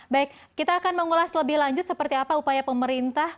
baik kita akan mengulas lebih lanjut seperti apa upaya pemerintah